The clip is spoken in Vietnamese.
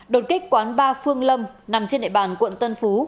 đột kích quán bar phương lâm nằm trên nệ bàn quận tân phú